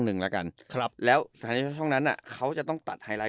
หนึ่งแล้วกันครับแล้วแสดงแช่งช่องนั้นน่ะเขาจะต้องตัดฮายไลว์